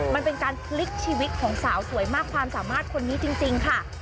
มันเป็นการพลิกชีวิตของสาวสวยมากความสามารถคนนี้จริงค่ะ